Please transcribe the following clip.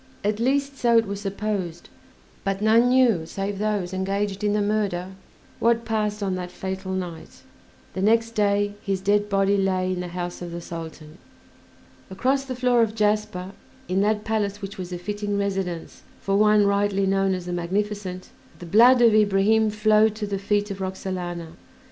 At least so it was supposed, but none knew save those engaged in the murder what passed on that fatal night; the next day his dead body lay in the house of the Sultan. Across the floor of jasper, in that palace which was a fitting residence for one rightly known as "The Magnificent," the blood of Ibrahim flowed to the feet of Roxalana.